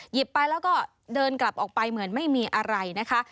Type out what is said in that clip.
ไปแล้วก็เดินกลับออกไปเหมือนไม่มีอะไรนะคะ